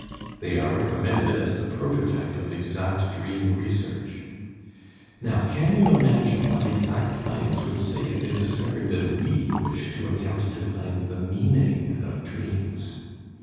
They are recommended as the prototype of exact dream research. Now can you imagine what exact science would say if it discovered that we wish to attempt to find the meaning of dreams?